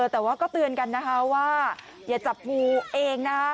แต่ว่าก็เตือนกันนะคะว่าอย่าจับงูเองนะ